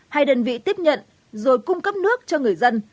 hai đơn vị tiếp nhận rồi cung cấp nước cho người dân